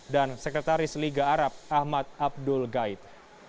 dan sekretaris liga arab ahmad abdul ghaid